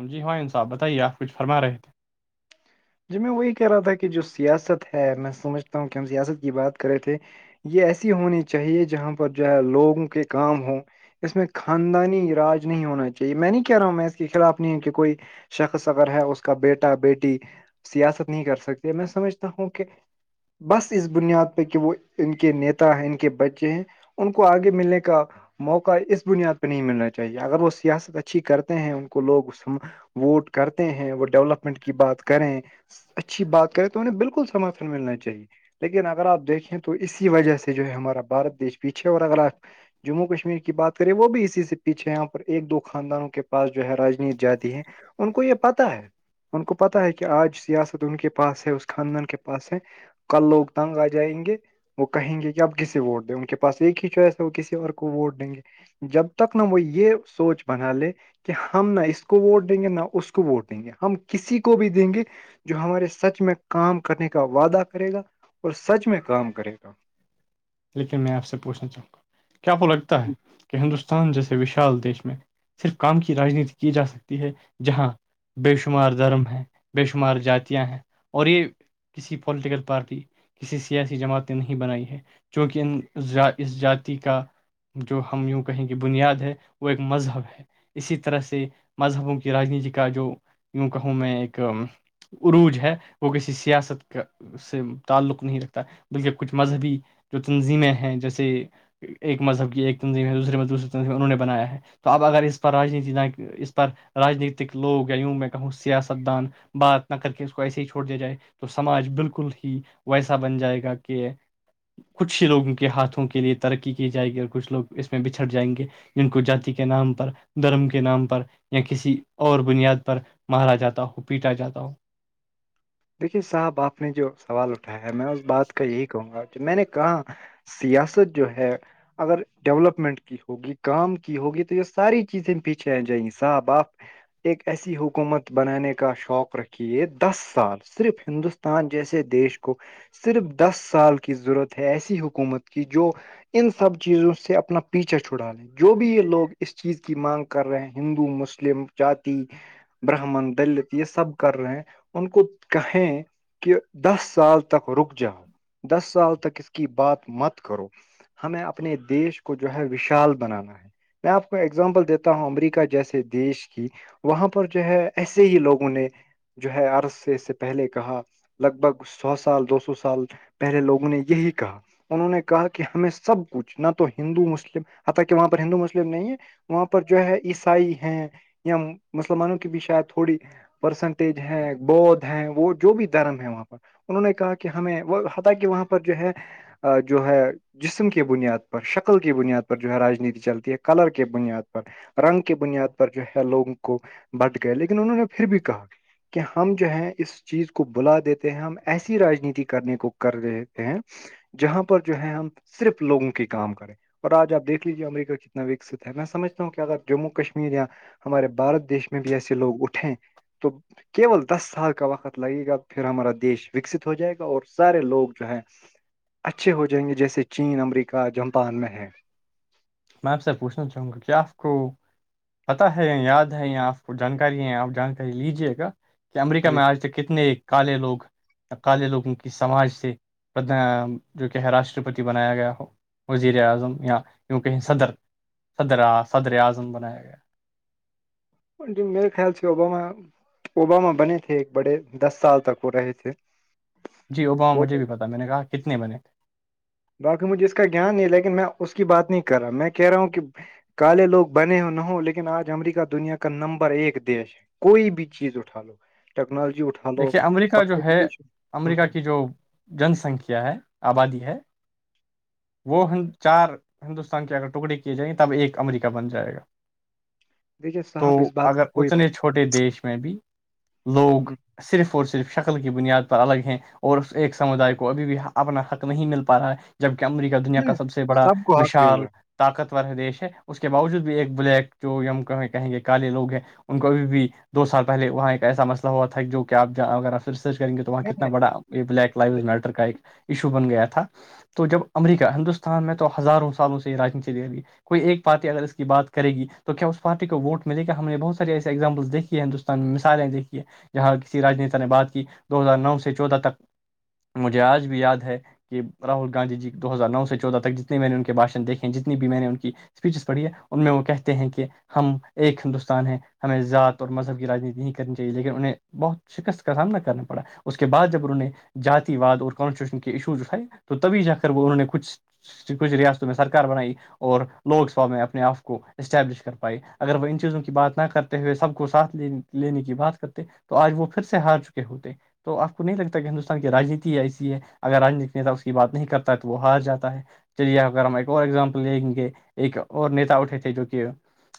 سمجی ہوائ ان صاح بتے آپ کھ فرما رہ تھے جی میں وہی کہہ رہا تھا کہ جو سیاست ہے میں سمجھتا ہوں کہ ہم سیاست کی بات کرے تھے یہ ایسی ہونی چاہیے جہاں پر جو ہے لوگوں کے کام ہوں اس میں خاندانی راج نہیں ہونا چاہیے میں نہیں کہہ رہا ہوں میں اس کے خلاف نہیں ہوں کہ کوئی شخص اگر ہے اس کا بیٹا بیٹی سیاست نہیں کر سکتی میں سمجھتا ہوں کہ بس اس بنیاد پہ کہ وہ ان کے نیتا ہیں ان کے بچے ہیں ان کو آگے ملنے کا موقع اس بنیاد پہ نہیں ملنا چاہیے اگر وہ سیاست اچھی کرتے ہیں ان کو لوگ ووٹ کرتے ہیں وہ ڈیولپمنٹ کی بات کریں اچھی بات کریں تو انہیں بالکل سمرتھن ملنا چاہیے لیکن اگر آپ دیکھیں تو اسی وجہ سے جو ہے ہمارا بارت دیش پیچھے اور اگر آپ جموں کشمیر کی بات کریں وہ بھی اسی سے پیچھے یہاں پر ایک دو خاندانوں کے پاس جو ہے راجنیت جاتی ہے ان کو یہ پتا ہے ان کو پتا ہے کہ کہ آج سیاست ان کے پاس ہے اس خاندان کے پاس ہے کل لوگ تنگ آ جائیں گے وہ کہیں گے کہ آپ کسسی ووٹ دیں ان کے پاس ایک ہی چوائس ہے وہ کسی اور کو ووٹ دیں گے جب تک نا وہ یہ سوچ بنا لے کہ ہم نہ اس کو ووٹ دیں گے نہ اس کو ووٹ دیں گے ہم کسی کو بھی د دیں گے جو ہمارے سچ میں کام کرنے کا وعدہ کرے گا اور سچ میں کام کرے گا لیکن میں آپ سے پوچھنا چاہوں گا کیا آپ کو لگتا ہے کہ ہندوستان جیسے وشال دیش میں صرف کام کی رجنیتی کی جا سکتی ہے جہاں بے شمار دھرم ہے بے شمار جاتیاں ہیں اور یہ کسی پولیٹیکل پارٹی کسی سیاسی جماعت نے نہیں بنائی ہے چونک ان اس جات کا جو ہم یوں کہیں کی بنیاد ہے وہ ایک مذہب ہے اسی طرح سے مذہبوں کی راجنیتی کا جو یوں کہوں میں ایک عروج ہے وہ کسی سیاست کا اس سے تعلق نہیں رکھتا بلکہ کچھ مذہبی جو تنظیمیں ہیں جیسے ایک مذہب کی ایک تنظیم ہے دوسرے دوسری تنظیم انہوں نے بنایا ہے تو اب اگر اس پر رانیتی اس پر راجنیتک لوگ یا یوں میں کہوں سیاست دان بات نہ کر کے اس کو ایسے ہی چھوڑ دیا جائے تو سماج بالکل ہی ویسا بن جائے گا کہ کچھ ہی لوگوں کے ہاتھوں کے لیے ترقی کی جائے گی اور کچھ لوگ اس میں بچھڑ جائیں گے جن کو جات کے نام پر دھرم کے نام پر یا کسی اور بنیاد پر مارا جاتا ہو پیٹا جاتا ہو دیکھیے صاحب آپ نے جو سوال اٹھایا ہے میں اس بات کا یہی کہوں گا کہ میں نے کہاں سیاست جو ہے اگر ڈیولپمنٹ کی ہوگی کام کی ہوگی تو یہ ساری چیزیں پیچھے آ جائیںی صاح ب آاپ ایک ایسی حکومت بنانے کا شوق رکھیے دس سال صرف ہندوستان جیسے دیش کو صرف دس سال کی ضرورت ہے ایسی حکومت کی جو ان سب چیزوں سے اپنا پیچھا چھڑا لیں گے جو بھی یہ لوگ اس چیز کی مانگ کر رہے ہیں ہندو مسلم جات براہمن دلت یہ سب کر رہے ہیں ان کو کہیں کہ دس سال تک رک جاؤ دس سال تک اس کی بات مت کرو ہمیں اپنے دیش کو جو ہے وشال بنانا ہے میں آپ کو ایگزامپل دیتا ہوں امریکہ جیسے دیش کی وہاں پر جو ہے ایسے ہی لوگوں نے جو ہے عرض سے سے پہلے کہا لگ بھگ سو سال دو سو سال پہلے لوگوں نے یہی کہا انہوں نے کہا کہ ہمیں سب کچھ نہ تو ہندو مسلم حتا کہ وہاں پر ہندو مسلم نہیں ہے وہاں پر جو ہے عیسائی ہیں یا مسلمانوں کی بھی شاید تھوڑی پرسنٹیج ہے بھ ہے وہ جو بھی دھرم ہے وہاں پر انہوں نے کہا کہ ہمیں وہ حت کہہ وہاں پر جو ہے جو ہے جسم کی بنیاد پر شکل کی بنیاد پر جو ہے راجنیتی چلتی ہے کلر کی بنیاد پر رنگ کی بنیاد پر جو ہے لوگوں کو بٹ گئے لیکن انہوں نے پھر بھی کہا کہ ہم جو ہے اس چیز کو بلا دیتے ہیں ہم ایسی رانیتی کرنے کو کر رہتے ہیں جہاں پر جو ہے ہم صرف لوگوں کے کام کریں اور آج آپیکھ لیجیے امریکہ کتنا وکست ہے میں سمجھتا ہوں کہ اگر جموں کشمیر یا ہمارے بارت دیش میں بھی ایسے لوگ اٹھے تو کیول دس سال کا وقت لگے گا پھر ہمارا دیش وکست ہو جائے گا اور سارے لوگ جو ہے اچھے ہو جائیں گے جیسے چین امریکہ جاپان میں ہے میں آپ سے پوچھنا چاہوں گا کیا آپ کو پتا ہے یاد ہے یا آپ کو جانکاری ہے آپ جانکاری لیجیے گا کہ امریکہ جی میں آج تک کتنے کالے لوگ اکالے لوگوں کی سماج سےدھ جو کہ راشٹرپتی بنایا گیا ہو وزیر اعظم یا کی کہیں صدر صدر صدر اعظم بنایا گیا میرے خیال سے اب اوباما بنے تھے ایک بڑے دس سال تک وہ رہے تھے جی اوباما وہ مجھے تو بھی پتاہ میں نے کہا کتنے بنے باقی مجھے اس کا گان نہیں ہے لیکن میں اس کی بات نہیں کر رہا میں کہہ رہا ہوں کہ کالے لوگ بنے ہو نہ لیکن آج امریکہ دنیا کا نمبر ایک دیش ہے کوئی بھی چیز اٹھا لو ٹیکنالوجی اٹھا لو دیکھیے امریکہ اور جو ہے ایجوکیشن ہ امریکہ کی جو جن سنکھیا ہے آبادی ہے وہ چار ہندوستان کے اگر ٹکڑے کیے جائیںے تب ایک امریکہ بن جائے گا دیکھیے تو صاحب اس بات سے اگر کوئی اتنے چھوٹے دیش میں بھی لوگ صرف اور صرف شکل کی بنیاد پر الگ ہیں اور اس ایک سمودائے کو ابھی بھی اپنا حق نہیں مل پا رہا ہے جبک امریکی دنیا کا ہ سب سے بڑا کو حق مل رہا وشال ہے طاقتور دیش ہے اس کے باوجود بھی ایک بلیک جو کہ کہیں گ کالے لوگ ہیں ان کو ابھی بھی دو سال پہلے وہاں ایک ایسا مسئلہ ہوا تھا جو کہ آپ اگر آپ ریسرچ کریں گے تو وہاں نہیں، کتنا نہیں، بڑا یہ بلیک لائو چھوڑے۔ میٹر کا ایک ایشو بن گیا تھا تو جب امریکہ ہندوستان میں تو ہزاروں سالوں سے یہ رانیتی دے رہی ہے کوئی ایک پارٹی اگر اس کی باتے گی تو کیا اسارٹی کو ووٹ ملے گ ہم نے بہت سے ایسے ایگزامپلس دیکے ہندوستان مثائلیں دیکھی ہے جاں کسی رجنیتا نے بات کی دو ہزار نو سے چودہ تک مجھے آج بھی یاد ہے کہ راہل گاندھی جی دو ہزار نو سے چودہ تک جتنے میں نے ان کے باشن دیکھ ہیں جتنی بھی میں نے ان کی اسپیچز پڑھی ہے ان میں وہ کہتے ہیں کہ ہم ایک ہندوستان ہے ہمیں ذات اور مذہب کی رانیتی نہیں کرنی چاہیے لیکن انہیں بہت شکست کا سامنا کرنا پڑا اس کے بعد جب انہوں جاتی واد اور کانسٹیٹیوشن کے ایشو جو ہے تو تبھی جا کر وہ انہوں نے کچھ کچھ ریاستوں میں سرار بنائی اور لوک سبا میں اپنے آپ کو اسٹیبلش کر پائی اگر وہ ان چیزوں کی بات نہ کرتے ہوئے سب کو ساتھ ل لینے کی بات کرتے تو آج وہ پھر سے ہار چکے ہوتے تو آپ کو نہیں لگتا کہ ہندوستان کی رانیتی ایسی ہے اگر رجیتک نتا اس کی بات نہیں کرتا ہے تو وہ ہار جاتا ہے چلیے اگر ہم ایک اور ایگزامپل دیں گے ایک اور نیتا اٹھے تھے جو کہ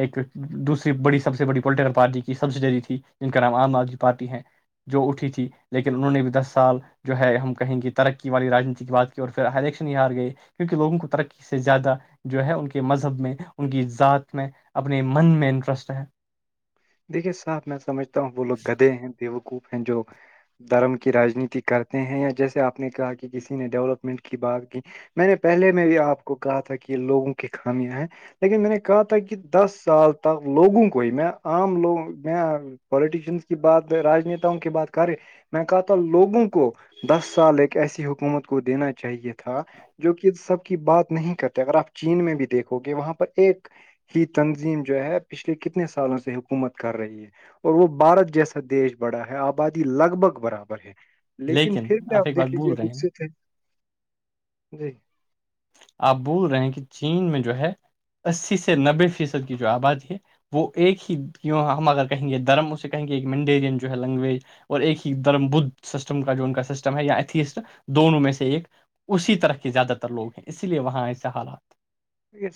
ایک دوسری بڑی سب سے بڑی پولیٹیکل پارٹی کی سبسڈری تھی جن کا نام عام آدمی پارٹی ہیں جو اٹھی تھی لیکن انہوں نے بھی دس سال جو ہے ہم کہیں گے ترقی والی راجنیتی کی بات کی اور پھر الیکشن ہی ہار گئے کیونکہ لوگوں کو ترقی سے زیادہ جو ہے ان کے مذہب میں ان کی ذات میں اپنے من میں انٹرسٹ ہے دیکھیے صاحب میں سمجھتا ہوں وہ لوگ گدے ہیں دیوکوپ ہیں جو دھرم کی رانیتی کرتے ہیں یا جیسے آپ نے کہا کہ کسی نے ڈیولپمنٹ کی بات کی میں نے پہلے میں بھی آپ کو کہا تھا کہ یہ لوگوں کی خامیاں ہیں لیکن میں نے کہا تھا کہ دس سال تک لوگوں کو ہی میں عام لوگ میں پولیٹیشنس کی بات رانیتاؤں کی بات کر رہے میں کہا تھا لوگوں کو دس سال ایک ایسی حکومت کو دینا چاہیے تھا جو کہ سب کی بات نہیں کرتے اگر آپ چین میں بھی دیکھو گے وہاں پر ایک یہ تنظیم جو ہے پچھلے کتنے سالوں سے حکومت کر رہی ہے اور وہ بھارت جیسا دیش بڑا ہے آبادی لگ بھگ برابر ہے لیکن پھر بھی آپ ایک بات دیکھ لیجے بھول رہے ہیں نا وکست ہے جی آپ بول رہے ہیں کہ چین میں جو ہے اسی سے نبے فیصد کی جو آبادی ہے وہ ایک ہی کیوں ہم اگر کہیں گے درم اسے کہیں گے ایک منڈیرین جو ہے لینگویج اور ایک ہی درم بدھ سسٹم کا جو ان کا سسٹم ہے یا ایتھیسٹ دونوں میں سے ایک اسی طرح کے زیادہ تر لوگ ہیں اسی لیے وہاں ایسے حالات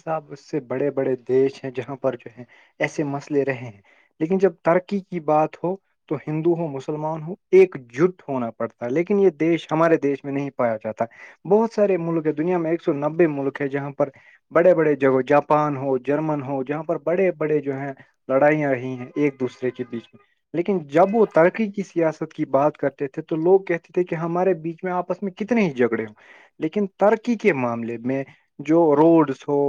صاحب اس سے بڑے بڑے دیش ہیں جہاں پر جو ہے ایسے مسئلے رہے ہیں لیکن جب ترقی کی بات ہو تو ہندو ہو مسلمان ہو ایک جٹ ہونا پڑتا ہے لیکن یہ دیش ہمارے دیش میں نہیں پایا جاتا بہت سارے ملک ہے دنیا میں ایک سو نبے ملک ہے جہاں پر بڑے بڑے جگہ جاپان ہو جرمن ہو جہاں پر بڑے بڑے جو ہیں لڑائیاں رہی ہیں ایک دوسرے کے بیچ میں لیکن جب وہ ترقی کی سیاست کی بات کرتے تھے تو لوگ کہتے تھے کہ ہمارے بیچ میں آپس میں کتنے ہی جھگڑے ہو لیکن ترکی کے معاملے میں جو روڈس ہو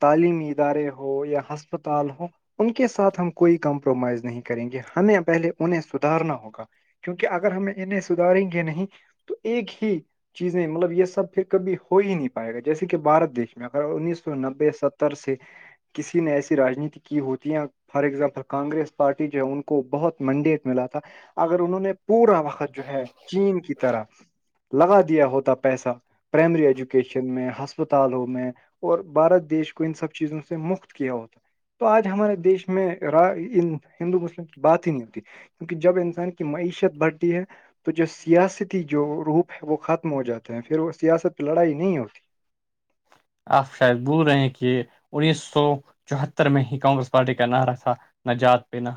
تعلیمی ادارے ہو یا ہسپتال ہو ان کے ساتھ ہم کوئی کمپرومائز نہیں کریں گے ہمیں پہلے انہیں سدھارنا ہوگا کیونکہ اگر ہم انہیں سدھاریں گے نہیں تو ایک ہی چیزیں مطلب یہ سب پھر کبھی ہو ہی نہیں پائے گا جیسے کہ بارت دیش میں آپ انیس سو نبے ستر سے کسی نے ایسی رانیتی کی ہوتیاں فار ایگزامپل کانریس پارٹی جو ہے ان کو بہت منڈیٹ ملا تھا اگر انہوں نے پورا وقت جو ہے چین کی طرح لگا دیا ہوتا پیسہ پرائمری ایجوکیشن میں ہسپتالوں میں اور بھارت دیش کو ان سب چیزوں سے مفت کیا ہوتا ہے تو آج ہمارے دیش میں ہندو مسلم کی بات ہی نہیں ہوتی کیونکہ جب انسان کی معیشت بڑھتی ہے تو جو سیاستی جو روپ ہے وہ ختم ہو جاتے ہیں پھر وہ سیاست پہ لڑائی نہیں ہوتی آپ شاید بول رہے ہیں کہ انیس سو چوہتر میں ہی کانگریس پارٹی کا نہ رہکھا نہ جات پہ نہ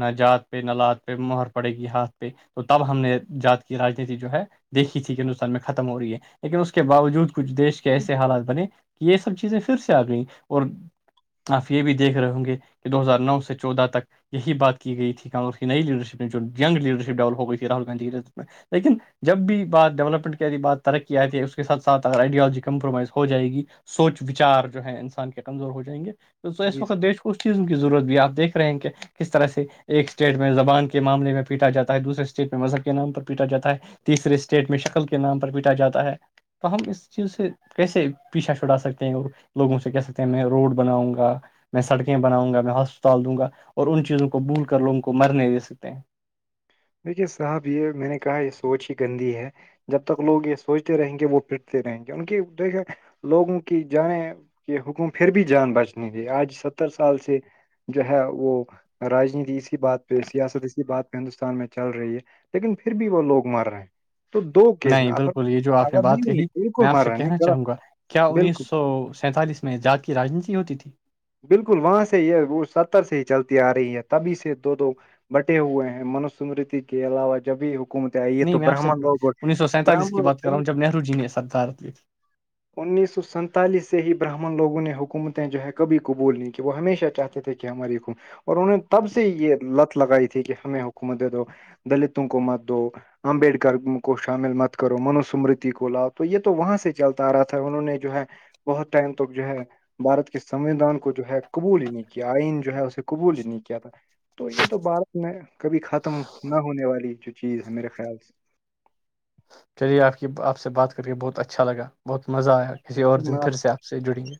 نہ جات پہ نہ لات پہ مہر پڑے گی ہاتھ پہ تو تب ہم نے جات کی رانیتی جو ہے دیکھی تھی کہ ہندوستان میں ختم ہو رہی ہے لیکن اس کے باوجود کچھ دیش کے ایسے حالات بنے کہ یہ سب چیزیں پھر سے آ گئیں اور آپ یہ بھی دیکھ رہے ہوں گے کہ دو ہزار نو سے چودہ تک یہی بات کی گئی تھیانگریس کی نئی لیڈرشپ میں جو گ لیڈرشپ ڈیولپ ہو گئی تھی راہل گاندی کے لیکن جب بھی بات ڈیولپمنٹ کی آتی ہے بات ترقی آتی ہے اس کے سات سھ اگر آئیڈیلوجی کمپرومائز ہو جائے گی سوچ وچار جو ہے انسان کے کمزور ہو جائیں گے تو اس جی وقت جناب دیش کو اس چیزوں کی ضرورت بھی آپ دیکھ رہ ہیں کہ کس طرح سے ایک اسٹیٹ میں زبان کے معاملے میں پیٹا جاتا ہے دوسرے اسٹیٹ میں مذہب کے نام پر پیٹا جاتا ہے تیسرے اسٹیٹ میں شکل کے نام پر پیٹا جاتا ہے تو ہم اس چیز سے کیسے پیچھا چھڑا سکتے ہیں لوگوں سے کہہ سکتے ہیں میں روڈ بناؤں گا میں سڑکیں بناؤں گا میں ہسپتال دوں گا اور ان چیزوں کو بھول کر لوگوں کو مرنے دے سکتے ہیں دیکھیے صاحب یہ میں نے کہا یہ سوچ ہی گندی ہے جب تک لوگ یہ سوچتے رہیں گے وہ پھرتے رہیں گے ان کی دیکھیں لوگوں کی جانیں کہ حکم پھر بھی جان بچنے دے آج ستر سال سے جو ہے وہ راجنیتی اسی بات پہ سیاست اسی بات پہ ہندوستان میں چل رہی ہے لیکن پھر بھی وہ لوگ مر رہے ہیں تو دو کیس میں نہیں اگر بالکل یہ جو آپ نے اگر نہیں بات نہیں کہی نہیں، میں بالکل آپ مر سے رہے ہیں کہنا نہیں غلط چاہوں گا کیا بالکل انیس سو سینتالیس میں جات کی رانیتی ہوتی تھی بالکل وہاں سے یہ وہ ستر سے ہی چلتی آ رہی ہے تبھی سے دو دو بٹے ہوئے ہیں منوسمرتی کے علاوہ جبھی یہ تو نہیں میں آپ سے برہمن لوگ انیس سو سینتالیس کی بات کر رہا برمن ہوں جب نہرو جی نے سردارت لی تھی۔ انیس سو سینتالیس سے ہی براہمن لوگوں نے حکومتیں جو ہے کبھی کو بول نہیں کہ وہ ہمیشہ چاہتے تھے کہ ہماری کوم اور انہوں نے تب سے یہ لت لگائی تھی کہ ہمیں حکومت دے دو دلتوں کو مت دو امبیڈکر کو شامل مت کرو منوسمرتی کو لاؤ تو یہ تو وہاں سے چلتا آ رہا تھا انہوں نے جو ہے بہت ٹائم تک جو ہے بارت سویدھان کو جو ہے قبول ہی نہیں کیا آئین جو ہے اسے قبول نہیں کیا تھا تو یہ تو بھارت میں کبھی ختم نہ ہونے والی جو چیز ہے میرے خیال سے چلیے آپ کی آپ سے بات کر کے بہت اچھا لگا بہت مزہ آیا کسی اور دن پھر سے آپ سے جڑیں گے